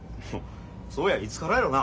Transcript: そういやいつからやろな？